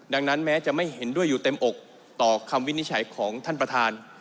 ดังนั้นแม้จะไม่เห็นด้วยอยู่เต็มอกต่อคำวินิจฉัยของท่านประธาน